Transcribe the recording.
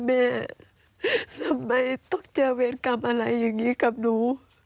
แม่ทำไมต้องเจอเวรกรรมอะไรอย่างนี้กับหนู